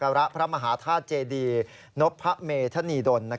เข้าศักรระพระมหาธาตุเจดีนพเมธนีดล